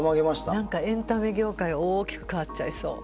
何かエンタメ業界大きく変わっちゃいそう。